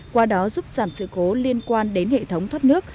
qua đó giúp giảm sự cố liên quan đến hệ thống thoát nước